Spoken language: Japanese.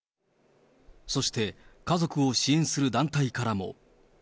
そして家族を支援する団体からも。